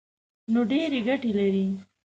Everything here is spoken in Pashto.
نو ډېرې ګټې لري.